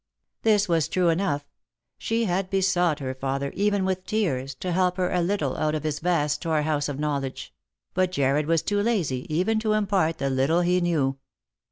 This was true enough. She had besought her father, even Lost for Love. 59 with tears, to help her a little out of his vast storehouse of knowledge ; but Jarred was too lazy even to impart the little he knew.